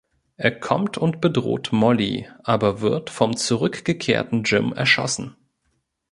Er kommt und bedroht Molly, aber wird vom zurückgekehrten Jim erschossen.